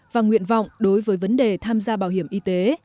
và nguyện vọng đối với vấn đề tham gia bảo hiểm y tế